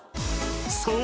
［そう。